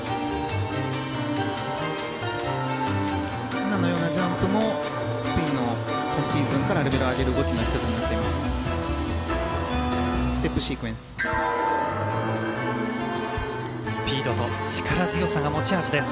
今のようなジャンプもスピンの今シーズンからレベルを上げる動きの１つになります。